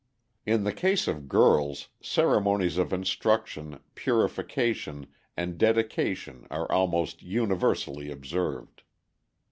In the case of girls, ceremonies of instruction, purification, and dedication are almost universally observed.